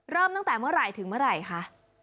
เริ่มตั้งแต่เมื่อไหร่ถึงเมื่อไหร่คะ